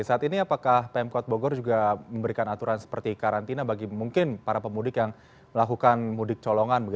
saat ini apakah pemkot bogor juga memberikan aturan seperti karantina bagi mungkin para pemudik yang melakukan mudik colongan